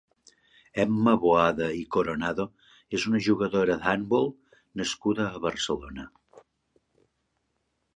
Emma Boada i Coronado és una jugadora d'handbol nascuda a Barcelona.